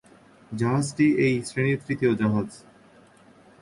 জাহাজটি এই শ্রেণির তৃতীয় জাহাজ।